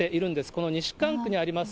この西蒲区にあります